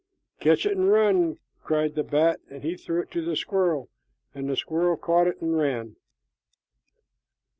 "Catch it and run!" cried the bat, and he threw it to the squirrel. The squirrel caught it and ran.